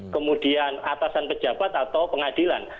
kemudian atasan pejabat atau pengadilan